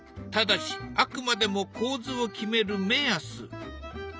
ただしあくまでも構図を決める目安。